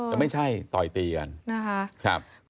แต่ไม่ใช่ต่อยตีกันนะคะ